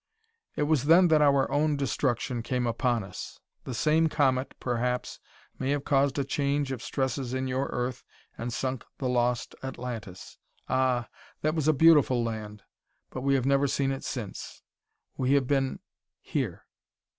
"It was then that our own destruction came upon us. The same comet, perhaps, may have caused a change of stresses in your Earth and sunk the lost Atlantis. Ah! That was a beautiful land, but we have never seen it since. We have been here.